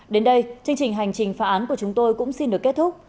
đến đây chương trình hành trình phá án của chúng tôi cũng xin được kết thúc